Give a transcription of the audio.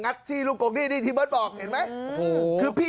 งัดซี่ลูกกรงนี่ทีเบิ